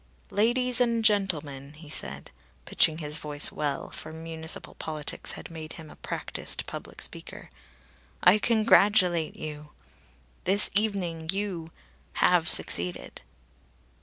"Ladies and gentlemen," he said, pitching his voice well, for municipal politics had made him a practised public speaker, "I congratulate you. This evening you have succeeded!"